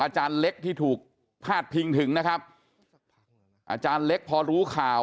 เล็กที่ถูกพาดพิงถึงนะครับอาจารย์เล็กพอรู้ข่าว